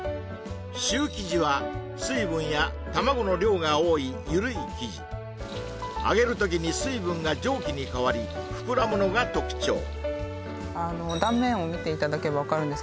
シュー生地は水分や卵の量が多いゆるい生地揚げる時に水分が蒸気に変わり膨らむのが特徴断面を見ていただければ分かるんですけど